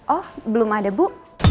oh belum ada bu